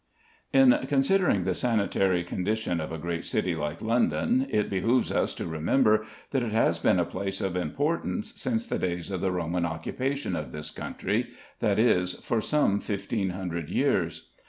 In considering the sanitary conditions of a great city like London, it behoves us to remember that it has been a place of importance since the days of the Roman occupation of this country that is, for some 1,500 years.